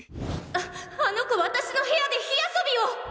あの子私の部屋で火遊びを！